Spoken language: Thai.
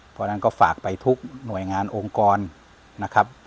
เพราะฉะนั้นก็ฝากไปทุกหน่วยงานองค์กรนะครับ